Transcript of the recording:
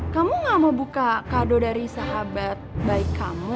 kamu gak mau buka kado dari sahabat baik kamu